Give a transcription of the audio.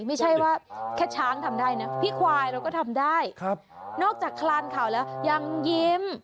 ไม่ใช่ว่าแค่ช้างทำได้นะพี่ควายเราก็ทำได้นอกจากคลานข่าวแล้วยังยิ้ม